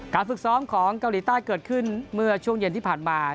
ฝึกซ้อมของเกาหลีใต้เกิดขึ้นเมื่อช่วงเย็นที่ผ่านมา